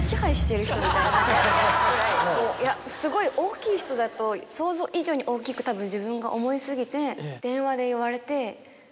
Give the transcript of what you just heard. みたいなぐらいこうすごい大きい人だと想像以上に大きくたぶん自分が思い過ぎて電話で言われて。